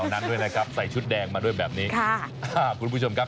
นั้นด้วยนะครับใส่ชุดแดงมาด้วยแบบนี้ค่ะอ่าคุณผู้ชมครับ